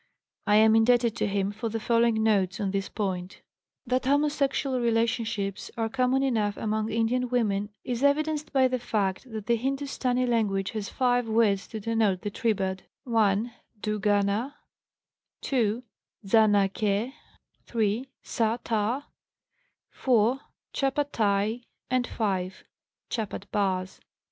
I am indebted to him for the following notes on this point: "That homosexual relationships are common enough among Indian women is evidenced by the fact that the Hindustani language has five words to denote the tribade: (1) dúgáná, (2) zanàkhé, (3) sa'tar, (4) chapathái, and (5) chapatbáz.